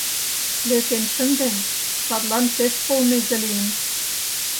«Лӧкен шынден, садлан пеш полмезе лийын.